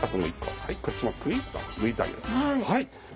はいこっちもくいっと抜いてあげる。